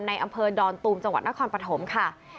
ในอำเภอดอนตูมจังหวัดนครปฐมค่ะ